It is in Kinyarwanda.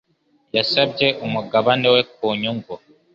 Yasabye umugabane we ku nyungu.